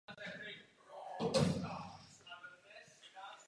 Text skladby popisuje pocity Rogera Waterse o odcizení od ostatních lidí.